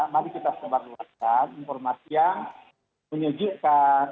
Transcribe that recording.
mari kita sebar luaskan informasi yang menyejukkan